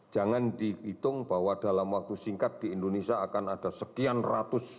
jangan dihitung bahwa dalam waktu singkat di indonesia akan ada sekian ratusan